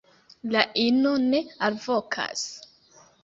La ino ne alvokas.